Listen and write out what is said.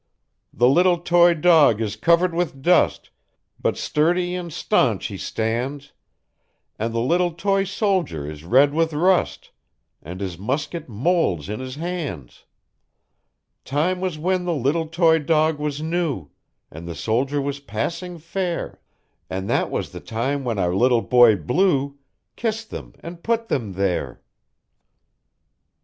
"The little toy dog is covered with dust, But sturdy and stanch he stands; And the little toy soldier is red with rust, And his musket molds in his hands. Time was when the little toy dog was new, And the soldier was passing fair; And that was the time when our little boy blue, Kissed them and put them there."